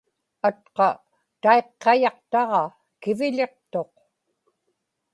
atqa taiqqayaqtaġa kiviḷiqtuq